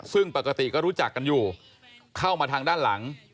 ซึ่งปกติก็รู้จักกันอยู่เข้ามาทางด้านหลัง